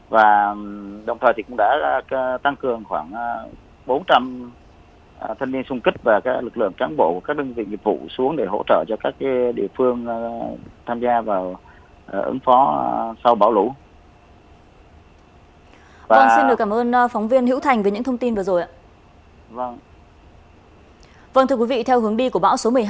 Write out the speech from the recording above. và đồng thời cũng đã tăng cường khoảng bốn trăm linh thân niên xung kích và các lực lượng cán bộ